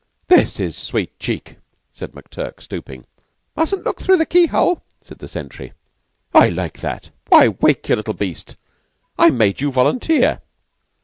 "This is sweet cheek," said McTurk, stooping. "Mustn't look through the key hole," said the sentry. "I like that. Why, Wake, you little beast, I made you a volunteer."